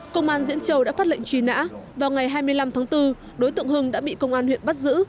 công an diễn châu đã phát lệnh truy nã vào ngày hai mươi năm tháng bốn đối tượng hưng đã bị công an huyện bắt giữ